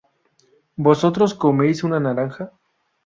vosotros coméis una naranja